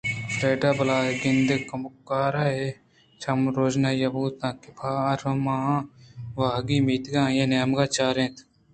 فریڈا ءِ بالادءِ گندگ ءَ کمکار ءِ چم روژنا بوت اَنت ءُآ پہ ارمان ءُواہگی اُمیتےءَ آئی ءِ نیمگ ءَ چارگ ءَ اَت